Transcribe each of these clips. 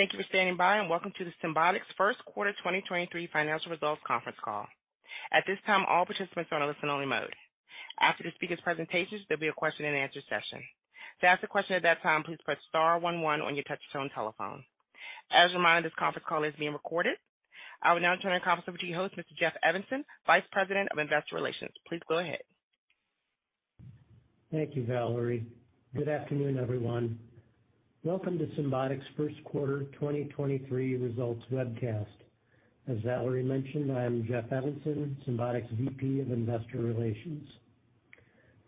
Thank you for standing by. Welcome to the Symbotic's First Quarter 2023 Financial Results Conference Call. At this time, all participants are on a listen-only mode. After the speakers' presentations, there'll be a question-and-answer session. To ask a question at that time, please press star one one on your touch-tone telephone. As a reminder, this conference call is being recorded. I will now turn the conference over to your host, Mr. Jeff Evanson, Vice President of Investor Relations. Please go ahead. Thank you, Valerie. Good afternoon, everyone. Welcome to Symbotic's First Quarter 2023 Results Webcast. As Valerie mentioned, I am Jeff Evanson, Symbotic's VP of Investor Relations.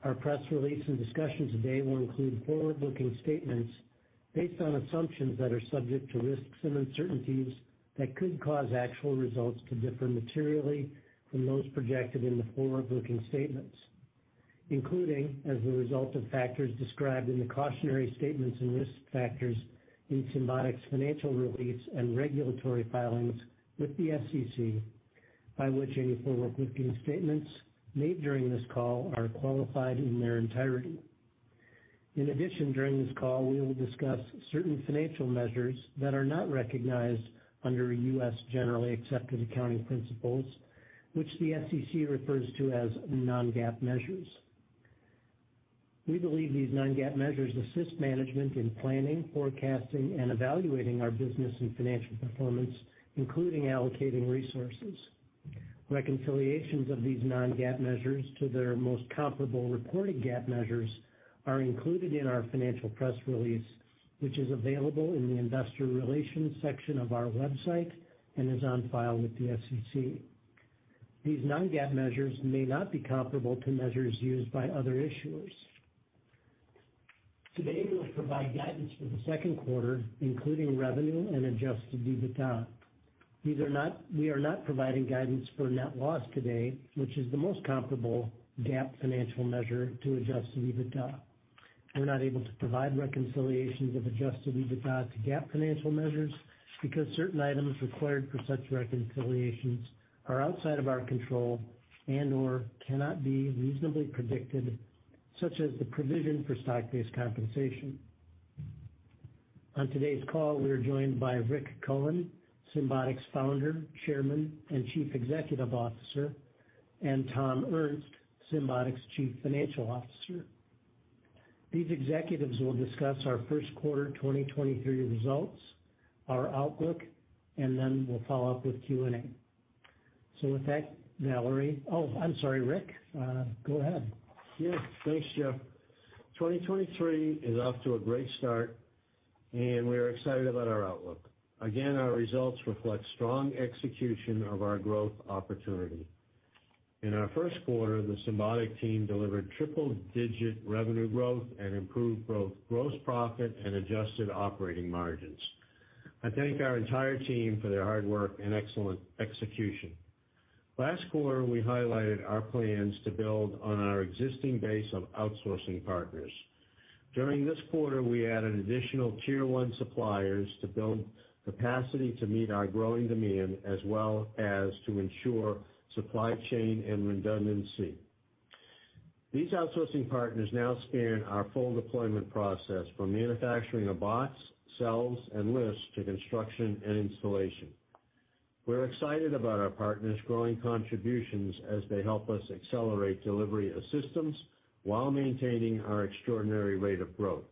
Our press release and discussion today will include forward-looking statements based on assumptions that are subject to risks and uncertainties that could cause actual results to differ materially from those projected in the forward-looking statements, including as a result of factors described in the cautionary statements and risk factors in Symbotic's financial release and regulatory filings with the SEC, by which any forward-looking statements made during this call are qualified in their entirety. During this call, we will discuss certain financial measures that are not recognized under U.S. Generally Accepted Accounting Principles, which the SEC refers to as non-GAAP measures. We believe these non-GAAP measures assist management in planning, forecasting, and evaluating our business and financial performance, including allocating resources. Reconciliations of these non-GAAP measures to their most comparable reported GAAP measures are included in our financial press release, which is available in the investor relations section of our website and is on file with the SEC. These non-GAAP measures may not be comparable to measures used by other issuers. Today, we'll provide guidance for the second quarter, including revenue and Adjusted EBITDA. We are not providing guidance for net loss today, which is the most comparable GAAP financial measure to Adjusted EBITDA. We're not able to provide reconciliations of Adjusted EBITDA to GAAP financial measures because certain items required for such reconciliations are outside of our control and/or cannot be reasonably predicted, such as the provision for stock-based compensation. On today's call, we are joined by Rick Cohen, Symbotic's Founder, Chairman, and Chief Executive Officer, and Tom Ernst, Symbotic's Chief Financial Officer. These executives will discuss our first quarter 2023 results, our outlook, and then we'll follow up with Q&A. With that, Valerie. Oh, I'm sorry, Rick. Go ahead. Thanks, Jeff. 2023 is off to a great start, we are excited about our outlook. Again, our results reflect strong execution of our growth opportunity. In our first quarter, the Symbotic team delivered triple-digit revenue growth and improved both gross profit and adjusted operating margins. I thank our entire team for their hard work and excellent execution. Last quarter, we highlighted our plans to build on our existing base of outsourcing partners. During this quarter, we added additional tier-one suppliers to build capacity to meet our growing demand as well as to ensure supply chain and redundancy. These outsourcing partners now span our full deployment process from manufacturing of SymBots, cells, and lifts to construction and installation. We're excited about our partners' growing contributions as they help us accelerate delivery of systems while maintaining our extraordinary rate of growth.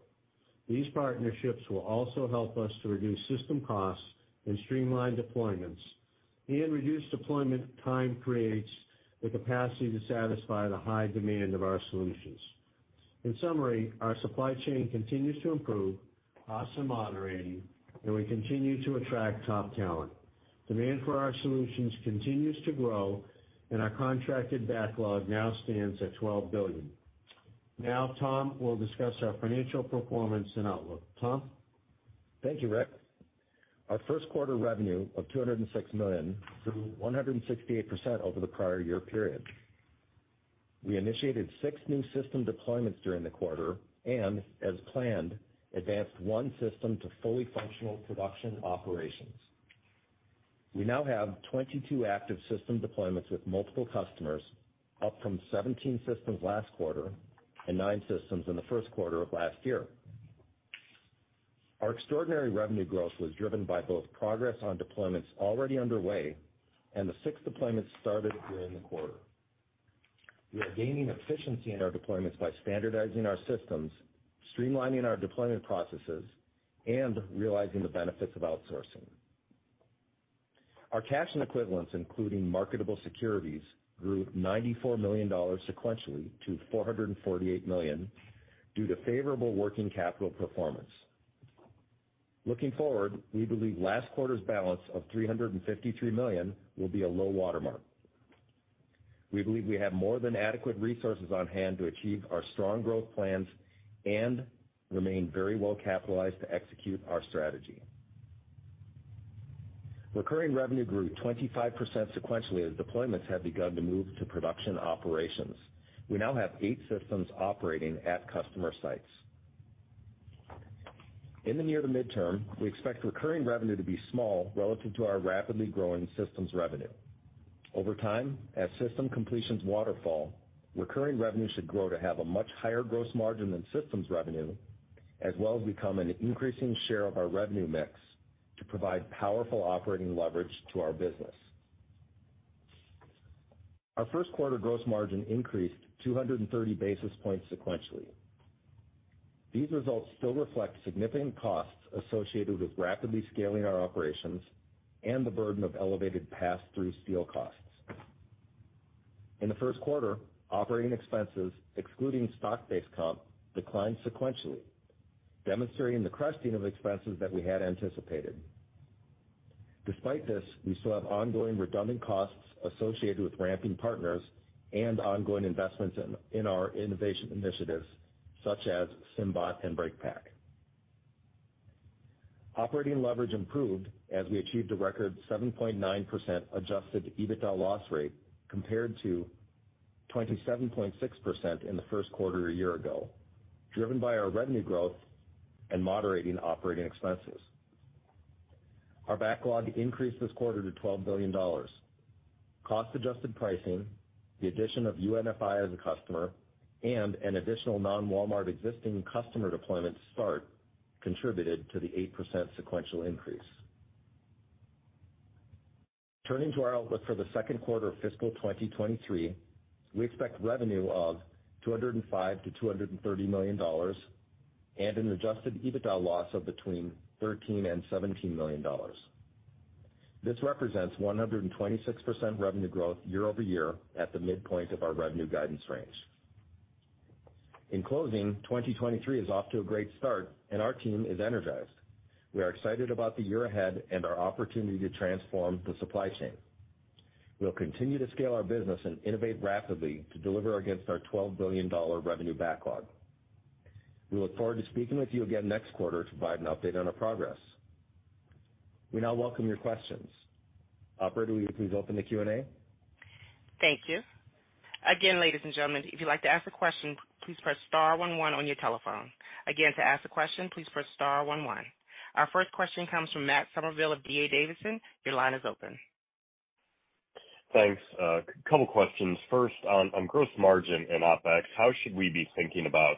These partnerships will also help us to reduce system costs and streamline deployments, and reduced deployment time creates the capacity to satisfy the high demand of our solutions. In summary, our supply chain continues to improve, costs are moderating, and we continue to attract top talent. Demand for our solutions continues to grow, and our contracted backlog now stands at $12 billion. Tom will discuss our financial performance and outlook. Tom? Thank you, Rick. Our first quarter revenue of $206 million grew 168% over the prior year period. We initiated six new system deployments during the quarter and, as planned, advanced one system to fully functional production operations. We now have 22 active system deployments with multiple customers, up from 17 systems last quarter and nine systems in the first quarter of last year. Our extraordinary revenue growth was driven by both progress on deployments already underway and the six deployments started during the quarter. We are gaining efficiency in our deployments by standardizing our systems, streamlining our deployment processes, and realizing the benefits of outsourcing. Our cash and equivalents, including marketable securities, grew $94 million sequentially to $448 million due to favorable working capital performance. Looking forward, we believe last quarter's balance of $353 million will be a low watermark. We believe we have more than adequate resources on hand to achieve our strong growth plans and remain very well capitalized to execute our strategy. Recurring revenue grew 25% sequentially as deployments have begun to move to production operations. We now have eight systems operating at customer sites. In the near to midterm, we expect recurring revenue to be small relative to our rapidly growing systems revenue. Over time, as system completions waterfall, recurring revenue should grow to have a much higher gross margin than systems revenue, as well as become an increasing share of our revenue mix to provide powerful operating leverage to our business. Our first quarter gross margin increased 230 basis points sequentially. These results still reflect significant costs associated with rapidly scaling our operations and the burden of elevated pass-through steel costs. In the first quarter, operating expenses, excluding stock-based comp, declined sequentially, demonstrating the cresting of expenses that we had anticipated. Despite this, we still have ongoing redundant costs associated with ramping partners and ongoing investments in our innovation initiatives such as SymBot and BreakPack. Operating leverage improved as we achieved a record 7.9% Adjusted EBITDA loss rate compared to 27.6% in the first quarter a year ago, driven by our revenue growth and moderating operating expenses. Our backlog increased this quarter to $12 billion. Cost-adjusted pricing, the addition of UNFI as a customer, and an additional non-Walmart existing customer deployment start contributed to the 8% sequential increase. Turning to our outlook for the second quarter of fiscal 2023, we expect revenue of $205 million-$230 million and an Adjusted EBITDA loss of between $13 million and $17 million. This represents 126% revenue growth year-over-year at the midpoint of our revenue guidance range. In closing, 2023 is off to a great start, and our team is energized. We are excited about the year ahead and our opportunity to transform the supply chain. We'll continue to scale our business and innovate rapidly to deliver against our $12 billion revenue backlog. We look forward to speaking with you again next quarter to provide an update on our progress. We now welcome your questions. Operator, will you please open the Q&A? Thank you. Again, ladies and gentlemen, if you'd like to ask a question, please press star one one on your telephone. Again, to ask a question, please press star one one. Our first question comes from Matt Summerville of D.A. Davidson. Your line is open. Thanks. Couple questions. First, on gross margin and OpEx, how should we be thinking about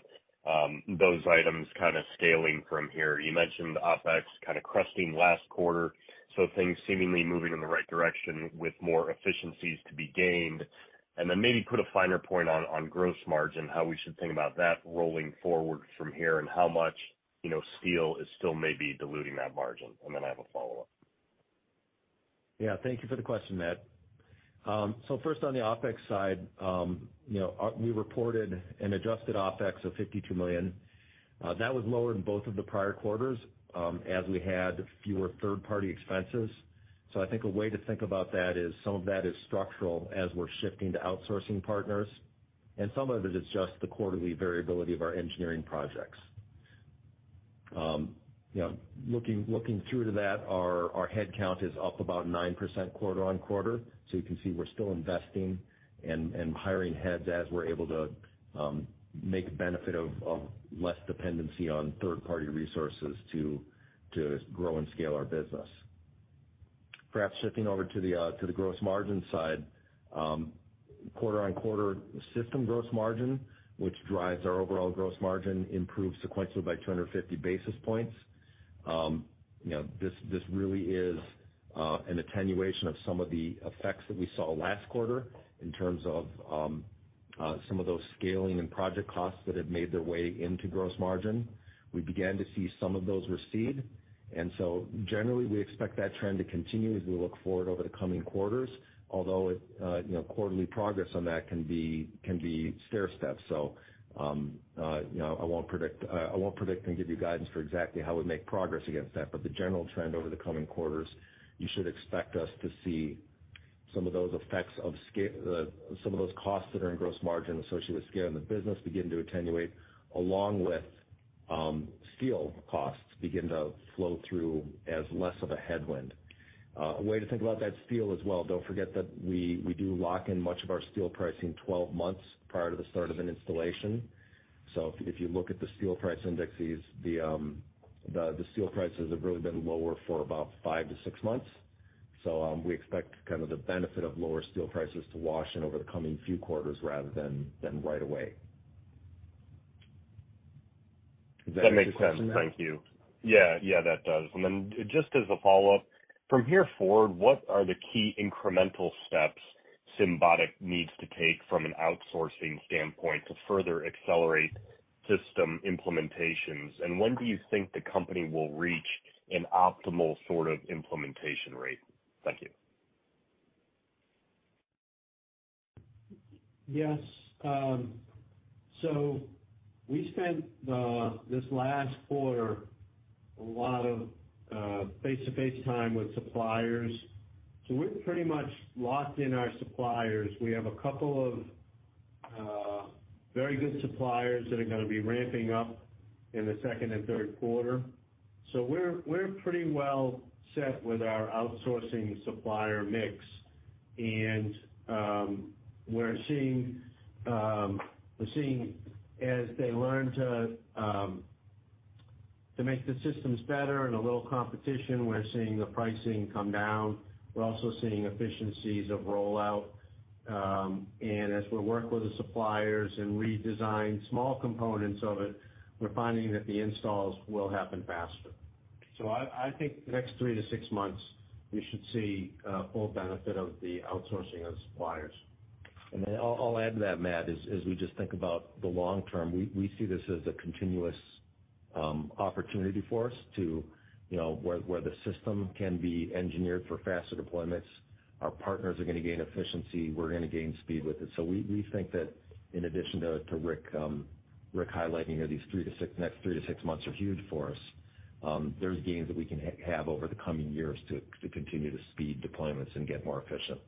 those items kind of scaling from here? You mentioned OpEx kind of cresting last quarter, so things seemingly moving in the right direction with more efficiencies to be gained. Maybe put a finer point on gross margin, how we should think about that rolling forward from here, and how much, you know, steel is still maybe diluting that margin? I have a follow-up. Thank you for the question, Matt. First on the OpEx side, you know, we reported an adjusted OpEx of $52 million. That was lower than both of the prior quarters, as we had fewer third-party expenses. I think a way to think about that is some of that is structural as we're shifting to outsourcing partners, and some of it is just the quarterly variability of our engineering projects. You know, looking through to that, our headcount is up about 9% quarter on quarter, so you can see we're still investing and hiring heads as we're able to make benefit of less dependency on third-party resources to grow and scale our business. Perhaps shifting over to the gross margin side. Quarter-on-quarter system gross margin, which drives our overall gross margin, improved sequentially by 250 basis points. You know, this really is an attenuation of some of the effects that we saw last quarter in terms of some of those scaling and project costs that have made their way into gross margin. We began to see some of those recede. Generally, we expect that trend to continue as we look forward over the coming quarters, although it, you know, quarterly progress on that can be stairstep. You know, I won't predict, I won't predict and give you guidance for exactly how we make progress against that. General trend over the coming quarters, you should expect us to see some of those effects of scale... Some of those costs that are in gross margin associated with scaling the business begin to attenuate, along with steel costs begin to flow through as less of a headwind. A way to think about that steel as well, don't forget that we do lock in much of our steel pricing 12 months prior to the start of an installation. If you look at the steel price indexes, the steel prices have really been lower for about 5-6 months. We expect kind of the benefit of lower steel prices to wash in over the coming few quarters rather than right away. Does that answer your question, Matt? That makes sense. Thank you. Yeah. Yeah, that does. Just as a follow-up, from here forward, what are the key incremental steps Symbotic needs to take from an outsourcing standpoint to further accelerate system implementations? When do you think the company will reach an optimal sort of implementation rate? Thank you. Yes. We spent this last quarter a lot of face-to-face time with suppliers. We're pretty much locked in our suppliers. We have a couple of very good suppliers that are gonna be ramping up in the second and third quarter. We're pretty well set with our outsourcing supplier mix, we're seeing as they learn to make the systems better and a little competition, we're seeing the pricing come down. We're also seeing efficiencies of rollout. As we work with the suppliers and redesign small components of it, we're finding that the installs will happen faster. I think the next three to six months, we should see full benefit of the outsourcing of suppliers. Then I'll add to that, Matt, as we just think about the long term, we see this as a continuous opportunity for us to, you know, where the system can be engineered for faster deployments. Our partners are gonna gain efficiency, we're gonna gain speed with it. We think that in addition to Rick highlighting here, next 3 to 6 months are huge for us. There's gains that we can have over the coming years to continue to speed deployments and get more efficient.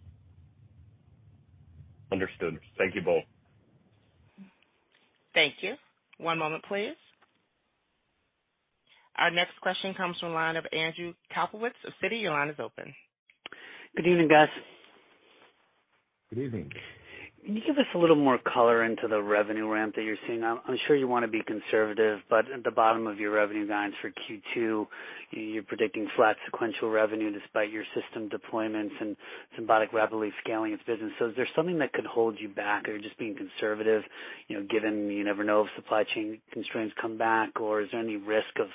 Understood. Thank you both. Thank you. One moment please. Our next question comes from line of Andrew Kaplowitz of Citi. Your line is open. Good evening, guys. Good evening. Can you give us a little more color into the revenue ramp that you're seeing now? I'm sure you wanna be conservative, but at the bottom of your revenue guidance for Q2, you're predicting flat sequential revenue despite your system deployments and Symbotic rapidly scaling its business. Is there something that could hold you back or just being conservative, you know, given you never know if supply chain constraints come back? Is there any risk of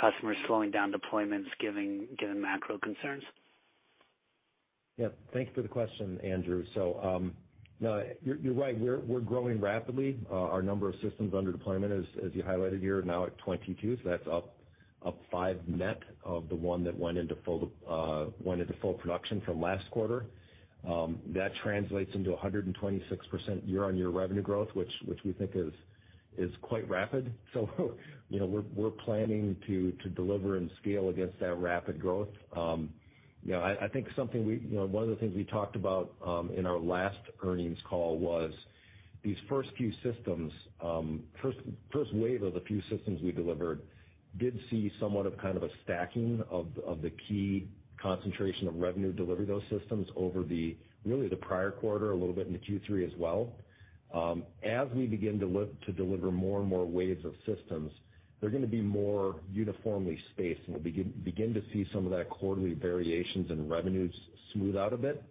customers slowing down deployments given macro concerns? Yeah. Thank you for the question, Andrew. No, you're right. We're growing rapidly. Our number of systems under deployment, as you highlighted here, are now at 22. That's up five net of the one that went into full production from last quarter. That translates into 126% year-on-year revenue growth, which we think is quite rapid. You know, we're planning to deliver and scale against that rapid growth. You know, I think something we... You know, one of the things we talked about in our last earnings call was these first few systems, first wave of the few systems we delivered did see somewhat of kind of a stacking of the key concentration of revenue delivered those systems over the really the prior quarter, a little bit in the Q3 as well. As we begin to deliver more and more waves of systems, they're gonna be more uniformly spaced, and we'll begin to see some of that quarterly variations in revenues smooth out a bit.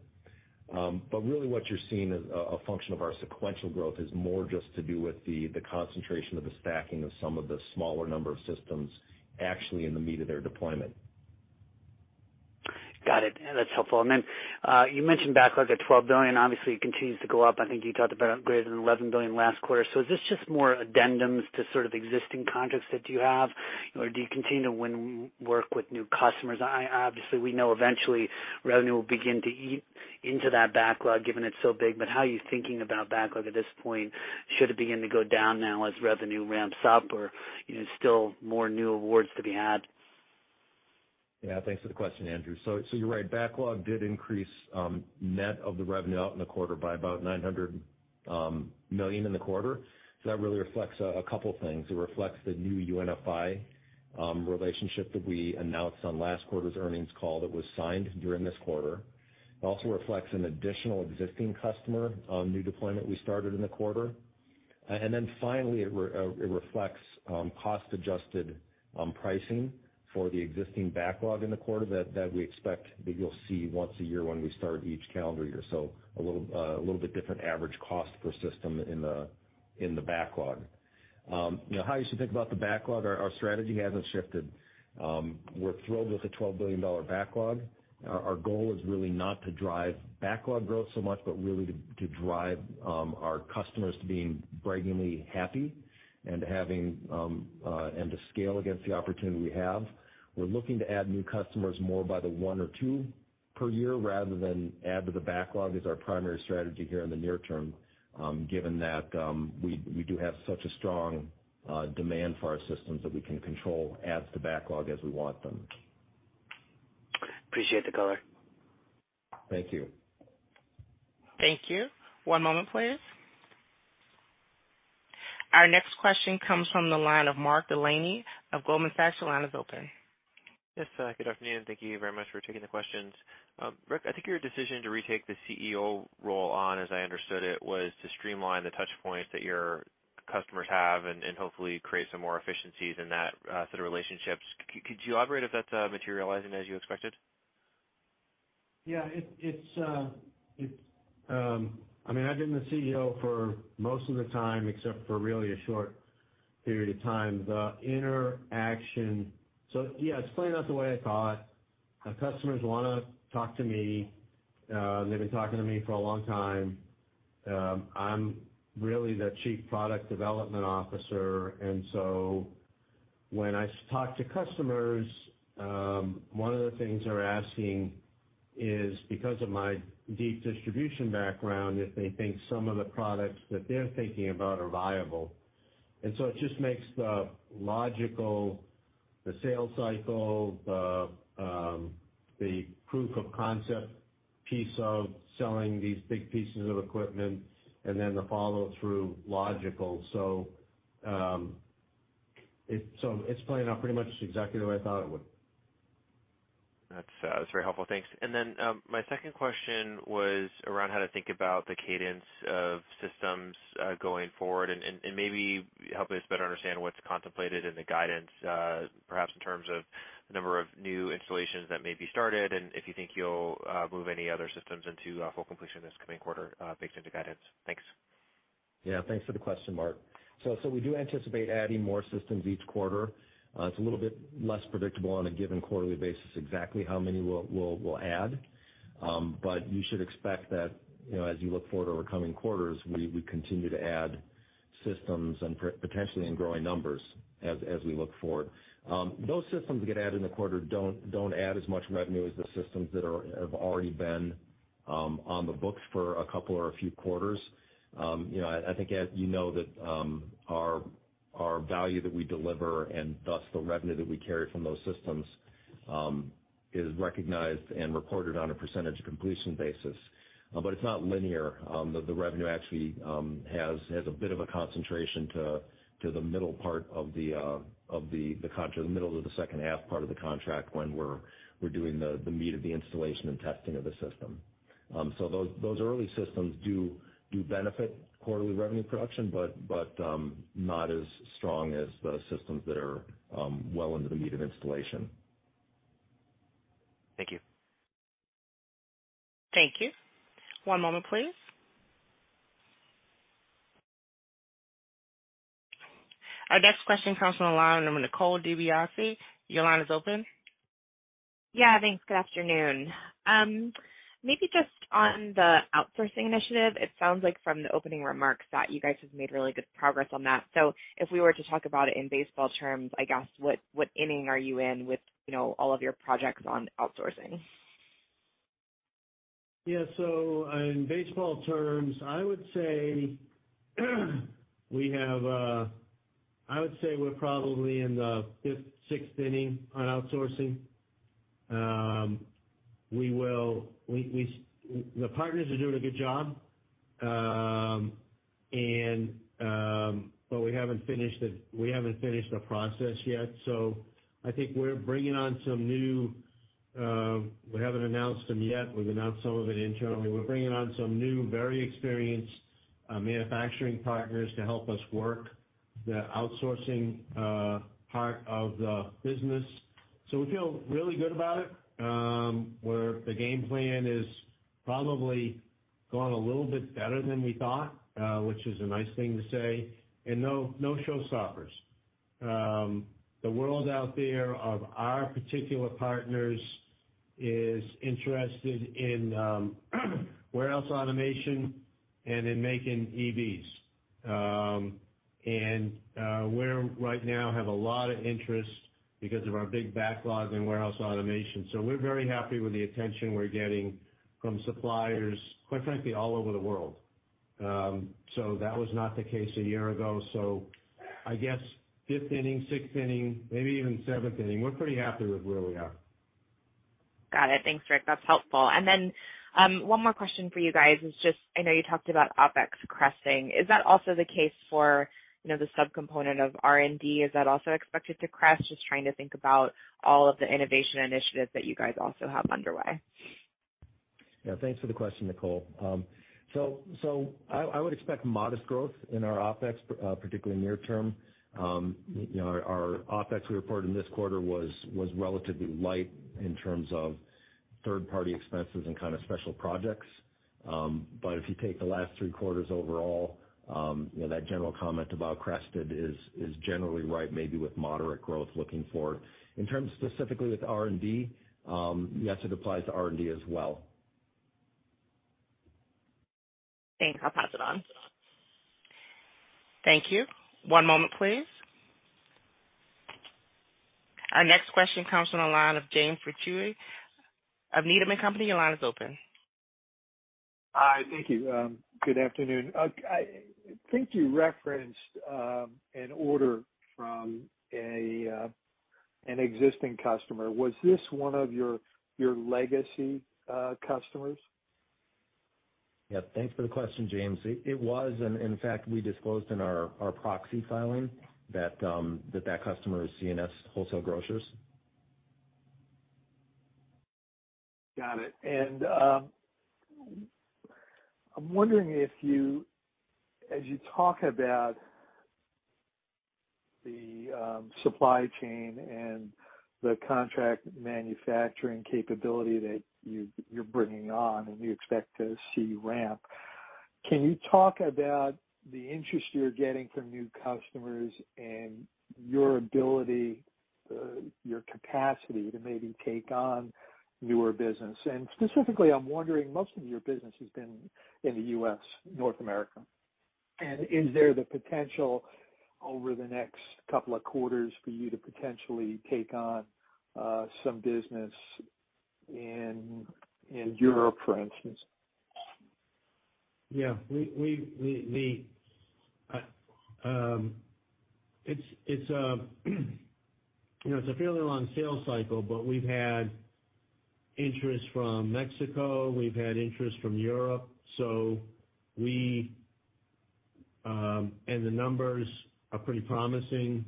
Really what you're seeing is a function of our sequential growth is more just to do with the concentration of the stacking of some of the smaller number of systems actually in the meat of their deployment. Got it. That's helpful. You mentioned backlog at $12 billion, obviously, it continues to go up. I think you talked about greater than $11 billion last quarter. Is this just more addendums to sort of existing contracts that you have? Or do you continue to win work with new customers? Obviously, we know eventually revenue will begin to eat into that backlog, given it's so big. How are you thinking about backlog at this point? Should it begin to go down now as revenue ramps up, or, you know, still more new awards to be had? Yeah. Thanks for the question, Andrew Kaplowitz. You're right. Backlog did increase net of the revenue out in the quarter by about $900 million in the quarter. That really reflects a couple things. It reflects the new UNFI relationship that we announced on last quarter's earnings call that was signed during this quarter. It also reflects an additional existing customer new deployment we started in the quarter. Finally, it reflects cost adjusted pricing for the existing backlog in the quarter that we expect that you'll see once a year when we start each calendar year. A little bit different average cost per system in the backlog. You know, how you should think about the backlog, our strategy hasn't shifted. We're thrilled with the $12 billion backlog. Our goal is really not to drive backlog growth so much, but really to drive our customers to being braggingly happy and having and to scale against the opportunity we have. We're looking to add new customers more by the one or two per year rather than add to the backlog is our primary strategy here in the near term, given that we do have such a strong demand for our systems that we can control adds to backlog as we want them. Appreciate the color. Thank you. Thank you. One moment please. Our next question comes from the line of Mark Delaney of Goldman Sachs. Your line is open. Yes. Good afternoon. Thank you very much for taking the questions. Rick, I think your decision to retake the CEO role on, as I understood it, was to streamline the touch points that your customers have and hopefully create some more efficiencies in that sort of relationships. Could you elaborate if that's materializing as you expected? Yeah. It, it's, I mean, I've been the CEO for most of the time except for really a short period of time. The interaction. Yeah, it's playing out the way I thought. Our customers wanna talk to me, they've been talking to me for a long time. I'm really the chief product development officer. When I talk to customers, one of the things they're asking is because of my deep distribution background, if they think some of the products that they're thinking about are viable. It just makes the logical, the sales cycle, the proof of concept piece of selling these big pieces of equipment and then the follow-through logical. It's playing out pretty much exactly the way I thought it would. That's very helpful. Thanks. My second question was around how to think about the cadence of systems going forward and maybe help us better understand what's contemplated in the guidance, perhaps in terms of the number of new installations that may be started, and if you think you'll move any other systems into full completion this coming quarter, baked into guidance. Thanks. Yeah, thanks for the question, Mark. We do anticipate adding more systems each quarter. It's a little bit less predictable on a given quarterly basis exactly how many we'll add. You should expect that, you know, as you look forward over coming quarters, we continue to add systems and potentially in growing numbers as we look forward. Those systems get added in the quarter don't add as much revenue as the systems that are, have already been on the books for a couple or a few quarters. You know, I think as you know, that our value that we deliver and thus the revenue that we carry from those systems is recognized and reported on a percentage-of-completion basis. It's not linear. The revenue actually has a bit of a concentration to the middle part of the, of the middle of the second half part of the contract when we're doing the meat of the installation and testing of the system. Those early systems do benefit quarterly revenue production, but not as strong as the systems that are well into the meat of installation. Thank you. Thank you. One moment, please. Our next question comes from the line of Nicole DeBlase. Your line is open. Yeah. Thanks. Good afternoon. Maybe just on the outsourcing initiative, it sounds like from the opening remarks that you guys have made really good progress on that. If we were to talk about it in baseball terms, I guess, what inning are you in with, you know, all of your projects on outsourcing? In baseball terms, I would say we're probably in the fifth, sixth inning on outsourcing. The partners are doing a good job. We haven't finished it. We haven't finished the process yet. I think we're bringing on some new, we haven't announced them yet. We've announced some of it internally. We're bringing on some new, very experienced manufacturing partners to help us work the outsourcing part of the business. We feel really good about it. Where the game plan is probably gone a little bit better than we thought, which is a nice thing to say. No show stoppers. The world out there of our particular partners is interested in warehouse automation and in making EVs. We're right now have a lot of interest because of our big backlog in warehouse automation. We're very happy with the attention we're getting from suppliers, quite frankly, all over the world. That was not the case a year ago. I guess fifth inning, sixth inning, maybe even seventh inning. We're pretty happy with where we are. Got it. Thanks, Rick. That's helpful. One more question for you guys is just I know you talked about OpEx cresting. Is that also the case for, you know, the subcomponent of R&D? Is that also expected to crest? Just trying to think about all of the innovation initiatives that you guys also have underway. Yeah. Thanks for the question, Nicole. I would expect modest growth in our OpEx, particularly near term. You know, our OpEx we reported this quarter was relatively light in terms of third-party expenses and kind of special projects. If you take the last three quarters overall, you know, that general comment about crested is generally right, maybe with moderate growth looking forward. In terms specifically with R&D, yes, it applies to R&D as well. Thanks. I'll pass it on. Thank you. One moment, please. Our next question comes from the line of James Ricchiuti of Needham & Company. Your line is open. Hi. Thank you. good afternoon. I think you referenced an order from an existing customer. Was this one of your legacy customers? Thanks for the question, James. It, it was, and in fact, we disclosed in our proxy filing that customer is C&S Wholesale Grocers. Got it. I'm wondering if you, as you talk about the supply chain and the contract manufacturing capability that you're bringing on and you expect to see ramp, can you talk about the interest you're getting from new customers and your ability, your capacity to maybe take on newer business? Specifically, I'm wondering, most of your business has been in the U.S., North America. Is there the potential over the next couple of quarters for you to potentially take on some business in Europe, for instance? Yeah. We, you know, it's a fairly long sales cycle, but we've had interest from Mexico, we've had interest from Europe. The numbers are pretty promising.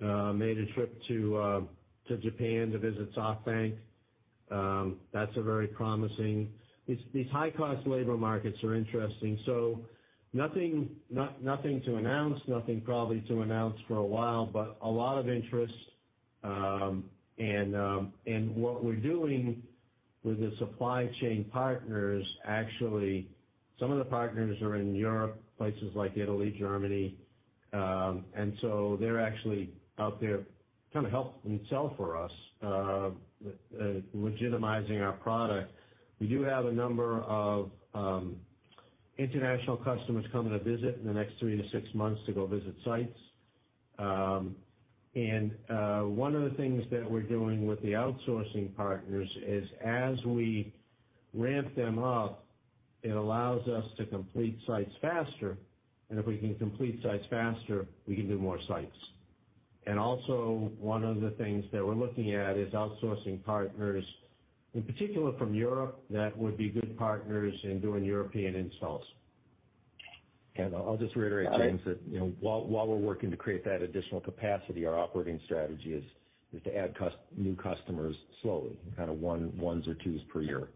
Made a trip to Japan to visit SoftBank. That's a very promising... These high-cost labor markets are interesting. Nothing, nothing to announce, nothing probably to announce for a while, but a lot of interest. What we're doing with the supply chain partners, actually, some of the partners are in Europe, places like Italy, Germany. They're actually out there trying to help sell for us, legitimizing our product. We do have a number of international customers coming to visit in the next 3-6 months to go visit sites. One of the things that we're doing with the outsourcing partners is, as we ramp them up, it allows us to complete sites faster, and if we can complete sites faster, we can do more sites. Also, one of the things that we're looking at is outsourcing partners, in particular from Europe, that would be good partners in doing European installs. I'll just reiterate, James, that, you know, while we're working to create that additional capacity, our operating strategy is to add new customers slowly, kind of ones or twos per year.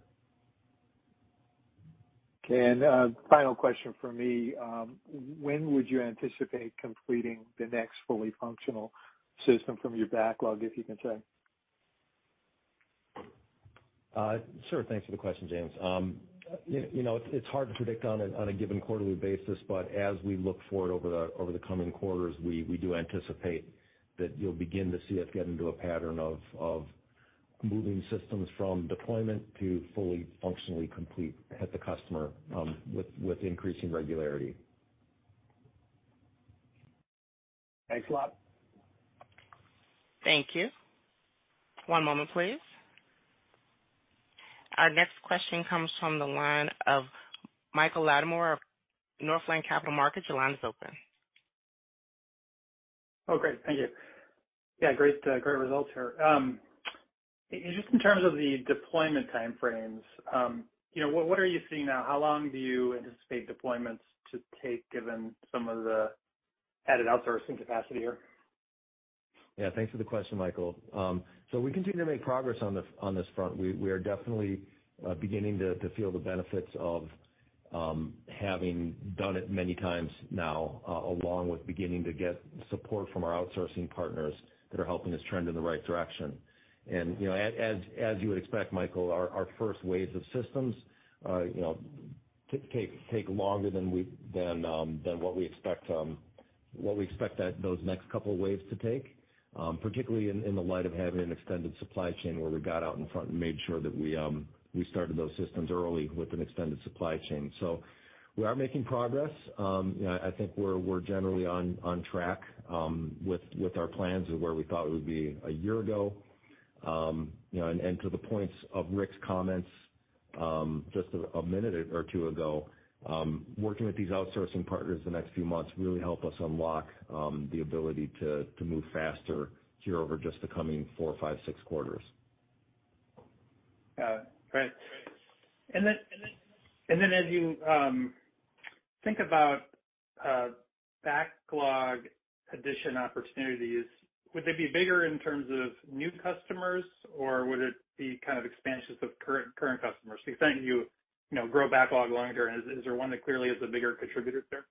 Okay. Final question from me. When would you anticipate completing the next fully functional system from your backlog, if you can say? Sure. Thanks for the question, James. You know, it's hard to predict on a given quarterly basis, but as we look forward over the coming quarters, we do anticipate that you'll begin to see us get into a pattern of moving systems from deployment to fully functionally complete at the customer, with increasing regularity. Thanks a lot. Thank you. One moment, please. Our next question comes from the line of Michael Latimore of Northland Capital Markets. Your line is open. Oh, great. Thank you. Yeah, great results here. Just in terms of the deployment time frames, you know, what are you seeing now? How long do you anticipate deployments to take given some of the added outsourcing capacity here? Yeah, thanks for the question, Michael. We continue to make progress on this front. We are definitely beginning to feel the benefits of having done it many times now, along with beginning to get support from our outsourcing partners that are helping us trend in the right direction. You know, as you would expect, Michael, our first waves of systems, you know, take longer than what we expect that those next couple of waves to take, particularly in the light of having an extended supply chain where we got out in front and made sure that we started those systems early with an extended supply chain. We are making progress. I think we're generally on track with our plans of where we thought we would be a year ago. You know, and to the points of Rick's comments, just a minute or two ago, working with these outsourcing partners the next few months really help us unlock the ability to move faster here over just the coming 4, 5, 6 quarters. Got it. Great. As you think about backlog addition opportunities, would they be bigger in terms of new customers, or would it be kind of expansions of current customers? I think you know, grow backlog longer. Is there one that clearly is a bigger contributor there?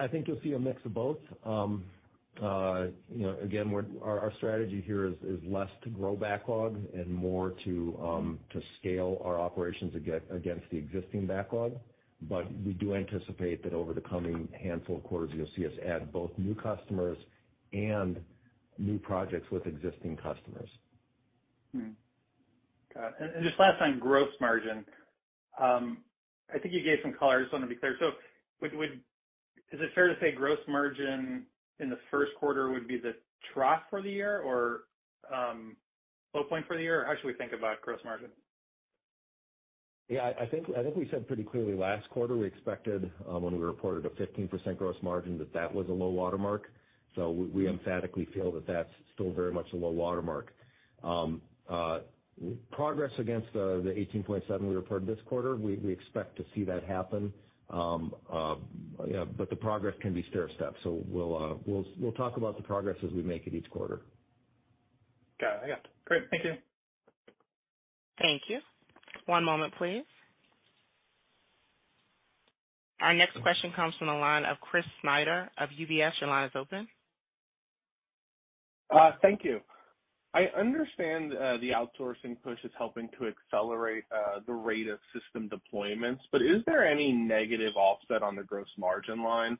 I think you'll see a mix of both. You know, again, our strategy here is less to grow backlog and more to scale our operations against the existing backlog. We do anticipate that over the coming handful of quarters, you'll see us add both new customers and new projects with existing customers. Got it. Just last on gross margin, I think you gave some color. I just want to be clear. Would it fair to say gross margin in the first quarter would be the trough for the year or low point for the year? How should we think about gross margin? I think we said pretty clearly last quarter we expected, when we reported a 15% gross margin that that was a low water mark. We emphatically feel that that's still very much a low water mark. Progress against the 18.7 we reported this quarter, we expect to see that happen, the progress can be stairstep. We'll talk about the progress as we make it each quarter. Got it. Great. Thank you. Thank you. One moment please. Our next question comes from the line of Chris Snyder of UBS. Your line is open. Thank you. I understand the outsourcing push is helping to accelerate the rate of system deployments. Is there any negative offset on the gross margin line?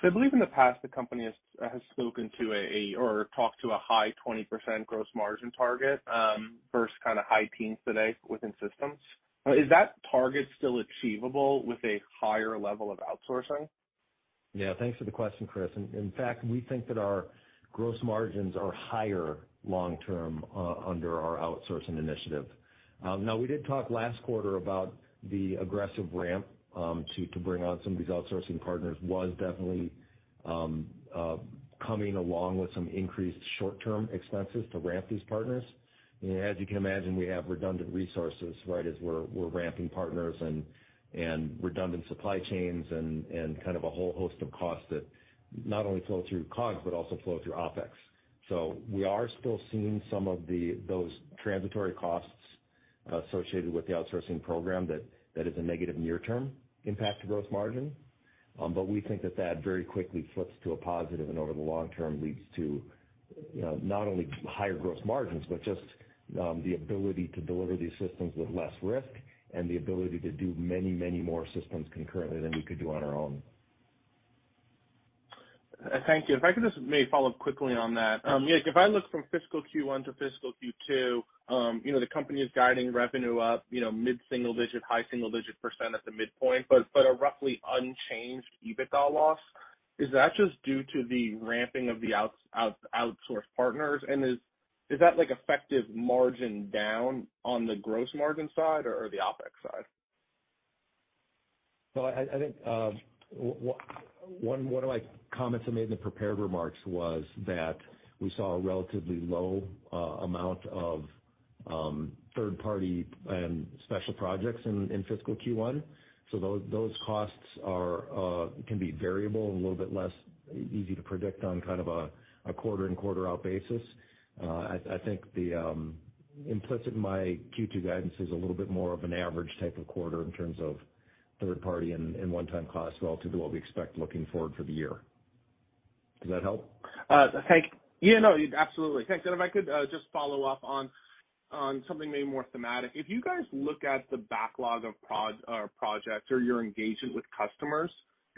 'Cause I believe in the past, the company has spoken to or talked to a high 20% gross margin target versus kind of high teens today within systems. Is that target still achievable with a higher level of outsourcing? Yeah. Thanks for the question, Chris. In fact, we think that our gross margins are higher long term under our outsourcing initiative. Now we did talk last quarter about the aggressive ramp to bring on some of these outsourcing partners was definitely coming along with some increased short-term expenses to ramp these partners. As you can imagine, we have redundant resources, right, as we're ramping partners and redundant supply chains and kind of a whole host of costs that not only flow through COGS, but also flow through OpEx. We are still seeing some of those transitory costs associated with the outsourcing program that is a negative near-term impact to gross margin. We think that that very quickly flips to a positive and over the long term leads to, you know, not only higher gross margins, but just the ability to deliver these systems with less risk and the ability to do many, many more systems concurrently than we could do on our own. Thank you. If I could just maybe follow up quickly on that. Yeah, if I look from fiscal Q1 to fiscal Q2, you know, the company is guiding revenue up, you know, mid-single digit, high single-digit % at the midpoint, but a roughly unchanged EBITDA loss. Is that just due to the ramping of the outsourced partners? Is that like effective margin down on the gross margin side or the OpEx side? I think 1 of my comments I made in the prepared remarks was that we saw a relatively low amount of third party and special projects in fiscal Q1. Those costs are can be variable and a little bit less easy to predict on kind of a quarter-in, quarter-out basis. I think the implicit in my Q2 guidance is a little bit more of an average type of quarter in terms of third party and one-time costs relative to what we expect looking forward for the year. Does that help? Yeah, no, absolutely. Thanks. If I could just follow up on something maybe more thematic. If you guys look at the backlog of projects or your engagement with customers,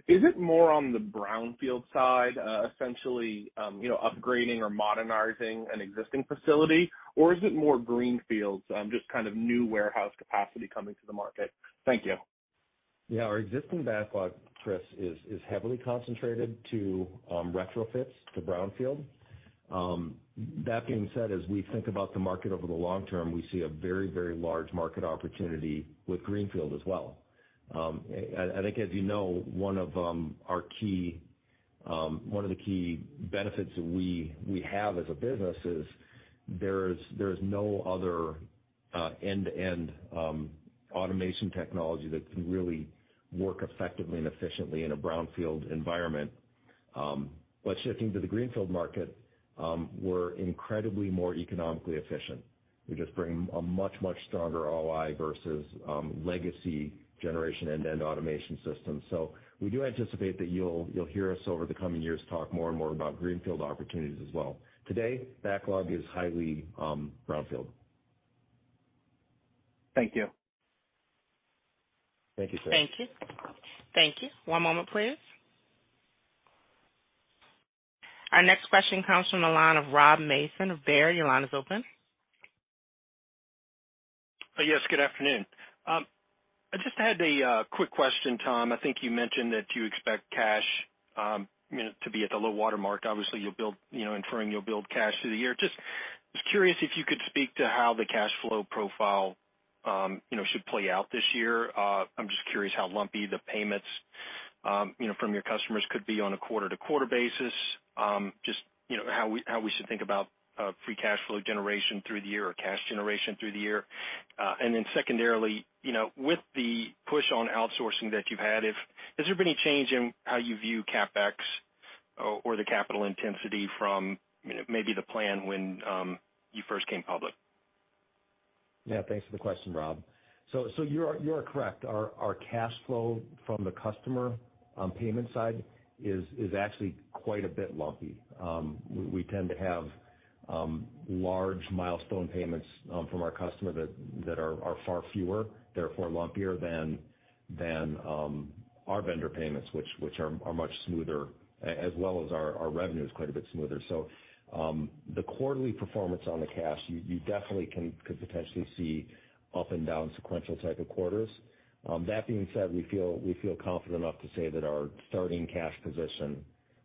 is it more on the brownfield side, essentially, you know, upgrading or modernizing an existing facility? Or is it more greenfields, just kind of new warehouse capacity coming to the market? Thank you. Yeah. Our existing backlog, Chris, is heavily concentrated to retrofits to brownfield. That being said, as we think about the market over the long term, we see a very large market opportunity with greenfield as well. I think as you know, one of our key, one of the key benefits that we have as a business is there's no other end-to-end automation technology that can really work effectively and efficiently in a brownfield environment. Shifting to the greenfield market, we're incredibly more economically efficient. We just bring a much stronger ROI versus legacy generation end-to-end automation systems. We do anticipate that you'll hear us over the coming years talk more and more about greenfield opportunities as well. Today, backlog is highly brownfield. Thank you. Thank you, sir. Thank you. Thank you. One moment, please. Our next question comes from the line of Rob Mason of Baird. Your line is open. Yes, good afternoon. I just had a quick question, Tom. I think you mentioned that you expect cash, you know, to be at the low water mark. Obviously, you'll build, you know, inferring you'll build cash through the year. Just was curious if you could speak to how the cash flow profile, you know, should play out this year. I'm just curious how lumpy the payments, you know, from your customers could be on a quarter-to-quarter basis. Just, you know, how we should think about free cash flow generation through the year or cash generation through the year. Secondarily, you know, with the push on outsourcing that you've had, has there been any change in how you view CapEx or the capital intensity from, you know, maybe the plan when you first came public? Thanks for the question, Rob. You are correct. Our cash flow from the customer on payment side is actually quite a bit lumpy. We tend to have large milestone payments from our customer that are far fewer, therefore lumpier than our vendor payments, which are much smoother, as well as our revenue is quite a bit smoother. The quarterly performance on the cash, you definitely could potentially see up and down sequential type of quarters. That being said, we feel confident enough to say that our starting cash position,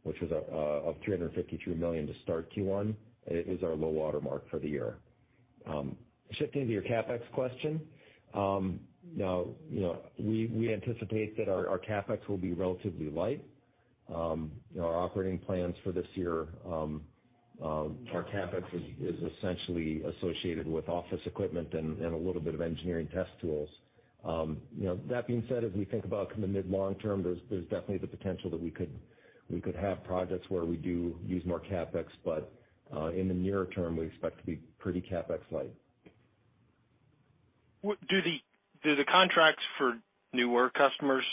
which was of $353 million to start Q1, is our low water mark for the year. Shifting to your CapEx question, now, you know, we anticipate that our CapEx will be relatively light. You know, our operating plans for this year, our CapEx is essentially associated with office equipment and a little bit of engineering test tools. You know, that being said, as we think about kind of mid, long term, there's definitely the potential that we could have projects where we do use more CapEx, but in the nearer term, we expect to be pretty CapEx light. Do the contracts for newer customers,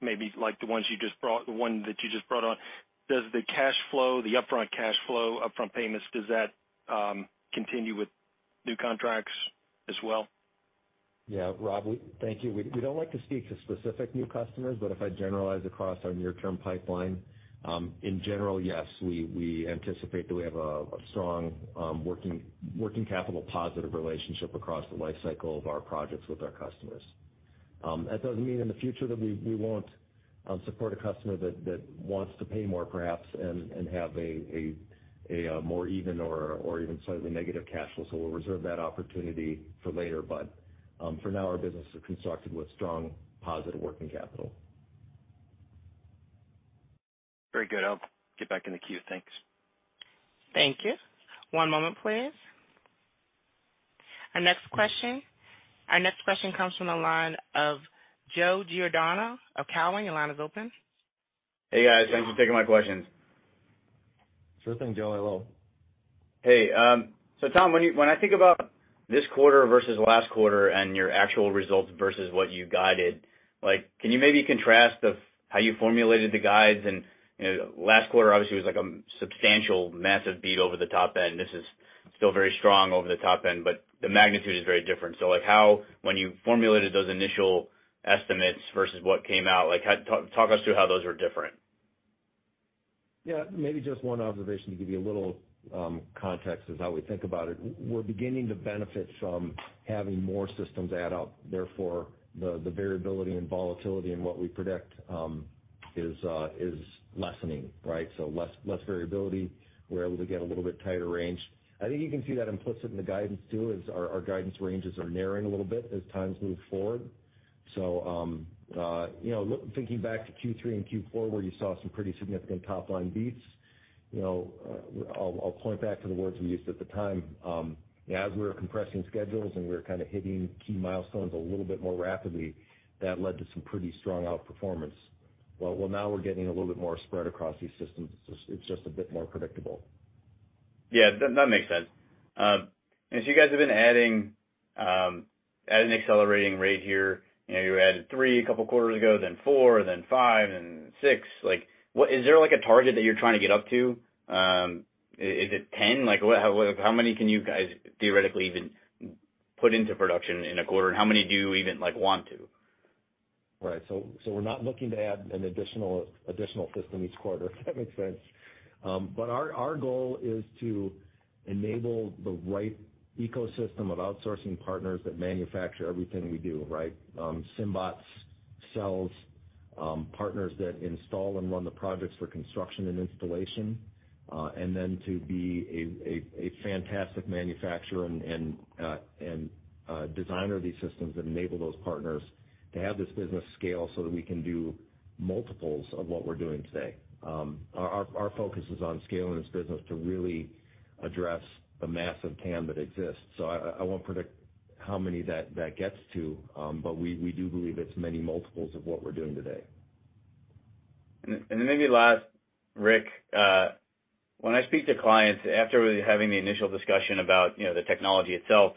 maybe like the one that you just brought on, does the cash flow, the upfront cash flow, upfront payments, does that continue with new contracts as well? Yeah, Rob, thank you. We don't like to speak to specific new customers, but if I generalize across our near-term pipeline, in general, yes, we anticipate that we have a strong, working capital positive relationship across the life cycle of our projects with our customers. That doesn't mean in the future that we won't support a customer that wants to pay more perhaps and have a more even or even slightly negative cash flow. We'll reserve that opportunity for later, but for now, our business is constructed with strong positive working capital. Very good. I'll get back in the queue. Thanks. Thank you. One moment, please. Our next question comes from the line of Joe Giordano of Cowen. Your line is open. Hey, guys. Thanks for taking my questions. Sure thing, Joe. Hello. Tom, when I think about this quarter versus last quarter and your actual results versus what you guided, like, can you maybe contrast of how you formulated the guides? You know, last quarter obviously was like, substantial massive beat over the top end. This is still very strong over the top end, but the magnitude is very different. How when you formulated those initial estimates versus what came out, how talk us through how those were different. Yeah. Maybe just one observation to give you a little context of how we think about it. We're beginning to benefit from having more systems add up, therefore, the variability and volatility in what we predict is lessening, right? Less variability. We're able to get a little bit tighter range. I think you can see that implicit in the guidance too, is our guidance ranges are narrowing a little bit as times move forward. You know, thinking back to Q3 and Q4 where you saw some pretty significant top-line beats, you know, I'll point back to the words we used at the time. As we were compressing schedules and we were kinda hitting key milestones a little bit more rapidly, that led to some pretty strong outperformance. Well, now we're getting a little bit more spread across these systems. It's just a bit more predictable. Yeah. That makes sense. As you guys have been adding, at an accelerating rate here, you know, you added 3 a couple of quarters ago, then 4, then 5, and 6. Like, is there like a target that you're trying to get up to? Is it 10? Like, how, like how many can you guys theoretically even put into production in a quarter? How many do you even, like, want to? Right. We're not looking to add an additional system each quarter, if that makes sense. Our goal is to enable the right ecosystem of outsourcing partners that manufacture everything we do, right? SymBots, sells, partners that install and run the projects for construction and installation. Then to be a fantastic manufacturer and designer of these systems that enable those partners to have this business scale so that we can do multiples of what we're doing today. Our focus is on scaling this business to really address the massive TAM that exists. I won't predict how many that gets to, we do believe it's many multiples of what we're doing today. Then maybe last, Rick, when I speak to clients after having the initial discussion about, you know, the technology itself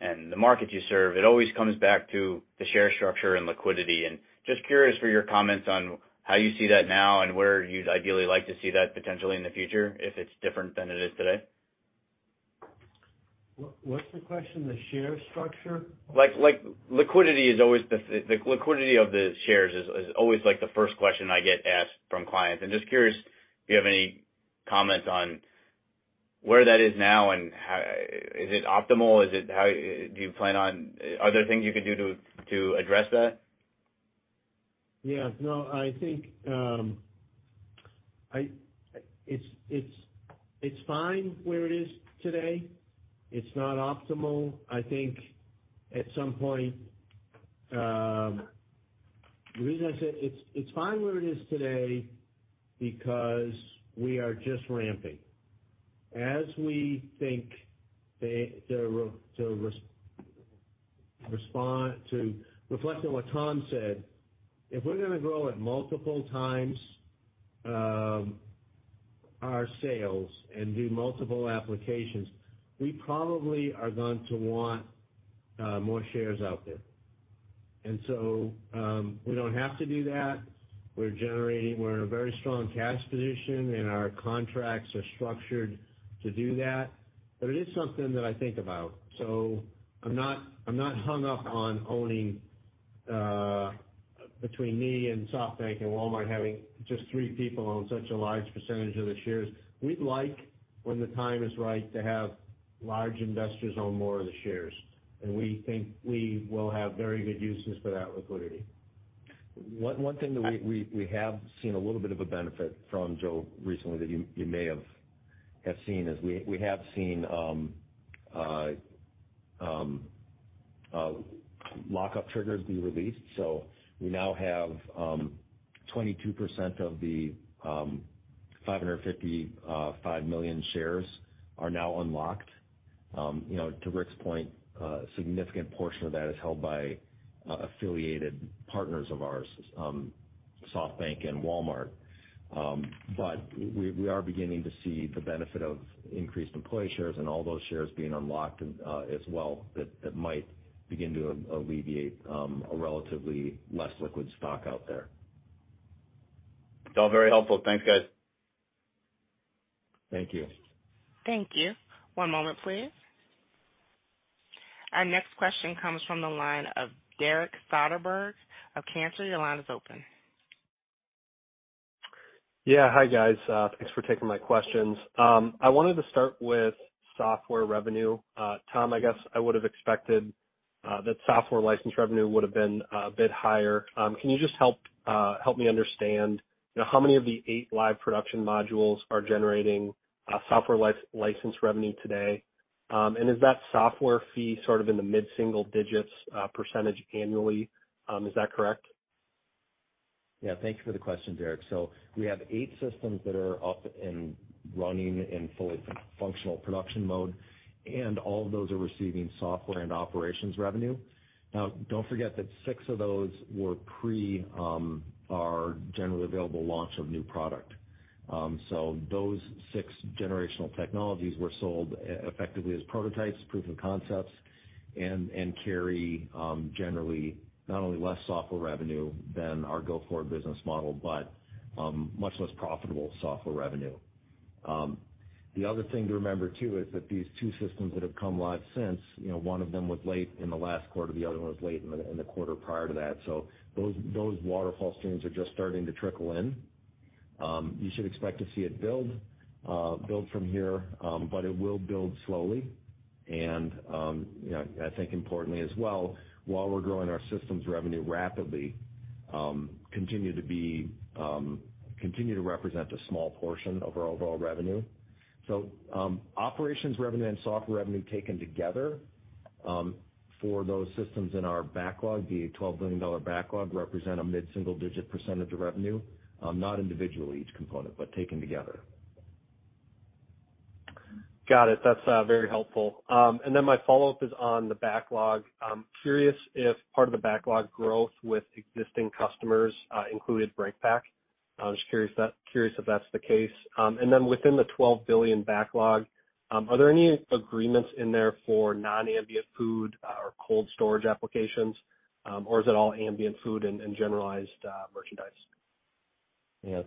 and the market you serve, it always comes back to the share structure and liquidity. Just curious for your comments on how you see that now and where you'd ideally like to see that potentially in the future, if it's different than it is today. What's the question? The share structure? Like, liquidity is always the liquidity of the shares is always, like, the first question I get asked from clients. I'm just curious if you have any comments on where that is now and how is it optimal? Is it how do you plan on? Are there things you can do to address that? Yeah. No, I think it's fine where it is today. It's not optimal. I think at some point. The reason I say it's fine where it is today because we are just ramping. As we think to reflecting what Tom said, if we're gonna grow at multiple times, our sales and do multiple applications, we probably are going to want more shares out there. We don't have to do that. We're in a very strong cash position, and our contracts are structured to do that. It is something that I think about. I'm not hung up on owning between me and SoftBank and Walmart having just three people own such a large percentage of the shares. We'd like, when the time is right, to have large investors own more of the shares. We think we will have very good uses for that liquidity. One thing that we have seen a little bit of a benefit from, Joe, recently that you may have seen is we have seen lockup triggers be released. We now have 22% of the 555 million shares are now unlocked. You know, to Rick's point, a significant portion of that is held by affiliated partners of ours, SoftBank and Walmart. We are beginning to see the benefit of increased employee shares and all those shares being unlocked as well that might begin to alleviate a relatively less liquid stock out there. It's all very helpful. Thanks, guys. Thank you. Thank you. One moment, please. Our next question comes from the line of Derek Soderberg of Cantor. Your line is open. Yeah. Hi, guys. Thanks for taking my questions. I wanted to start with software revenue. Tom, I guess I would've expected that software license revenue would have been a bit higher. Can you just help me understand, you know, how many of the 8 live production modules are generating software license revenue today? Is that software fee sort of in the mid-single-digit % annually, is that correct? Yeah. Thank you for the question, Derek. We have eight systems that are up and running in fully functional production mode, and all of those are receiving software and operations revenue. Don't forget that six of those were pre our generally available launch of new product. Those six generational technologies were sold effectively as prototypes, proof of concepts, and carry generally not only less software revenue than our go-forward business model, but much less profitable software revenue. The other thing to remember too is that these two systems that have come live since, you know, one of them was late in the last quarter, the other one was late in the quarter prior to that. Those waterfall streams are just starting to trickle in. You should expect to see it build from here, but it will build slowly. You know, I think importantly as well, while we're growing our systems revenue rapidly, continue to represent a small portion of our overall revenue. Operations revenue and software revenue taken together, for those systems in our backlog, the $12 billion backlog represent a mid-single digit % of revenue, not individually each component, but taken together. Got it. That's very helpful. My follow-up is on the backlog. I'm curious if part of the backlog growth with existing customers included BreakPack. I'm just curious if that's the case. Within the $12 billion backlog, are there any agreements in there for non-ambient food or cold storage applications, or is it all ambient food and generalized merchandise? Yeah.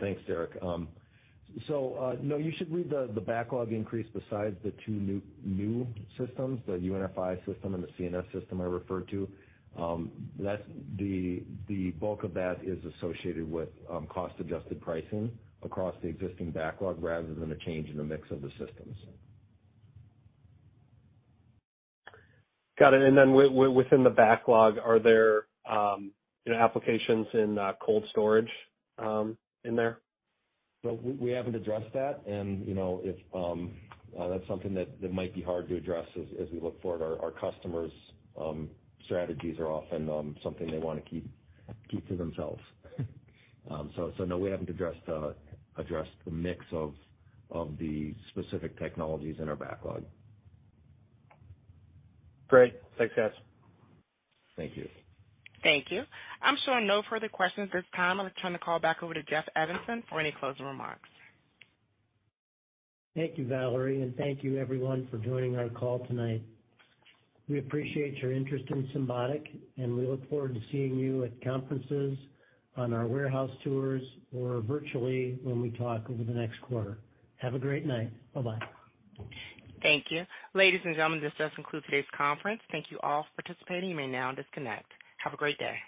Thanks, Derek. No, you should read the backlog increase besides the two new systems, the UNFI system and the C&S system I referred to. That's the bulk of that is associated with, cost-adjusted pricing across the existing backlog rather than a change in the mix of the systems. Got it. Within the backlog, are there, you know, applications in cold storage in there? No, we haven't addressed that, and, you know, if that's something that might be hard to address as we look forward. Our customers' strategies are often something they wanna keep to themselves. No, we haven't addressed the mix of the specific technologies in our backlog. Great. Thanks, guys. Thank you. Thank you. I'm showing no further questions at this time. I'll turn the call back over to Jeff Evanson for any closing remarks. Thank you, Valerie. Thank you everyone for joining our call tonight. We appreciate your interest in Symbotic, and we look forward to seeing you at conferences, on our warehouse tours or virtually when we talk over the next quarter. Have a great night. Bye-bye. Thank you. Ladies and gentlemen, this does conclude today's conference. Thank you all for participating. You may now disconnect. Have a great day.